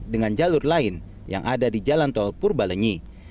dengan jalur lain yang ada di jalan tol purbalenyi